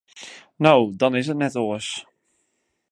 No, dan is it net oars.